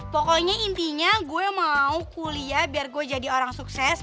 pokoknya intinya gue mau kuliah biar gue jadi orang sukses